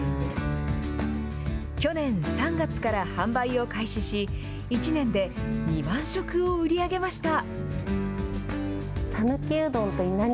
去年３月から販売を開始し、１年で２万食を売り上げました。